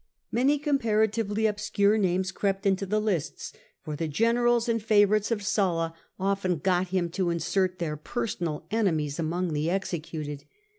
Many compara tively obscure names crept into the lists, for the generals and favourites of Sulla often got him to insert their personal enemies among the executed.